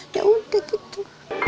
ya udah gitu